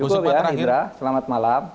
cukup ya hidra selamat malam